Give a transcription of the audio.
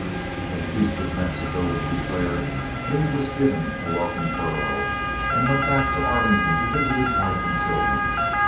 When peace with Mexico was declared, Lee was given a welcome furlough, and went back to Arlington to visit his wife and children.